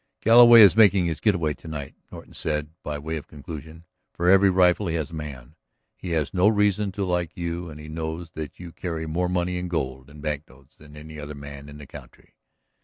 "Galloway is making his getaway to night," Norton said by way of conclusion. "For every rifle he has a man. He has no reason to like you and he knows that you carry more money in gold and bank notes than any other man in the country.